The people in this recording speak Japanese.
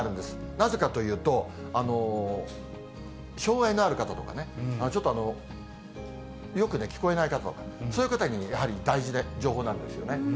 なぜかというと、障がいのあるとかね、ちょっとよく聞こえない方とか、そういう方にやはり大事な情報なんですよね。